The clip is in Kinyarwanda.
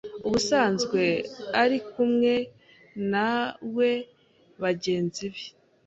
Ubusanzwe ari kumwe nawebagenzi be.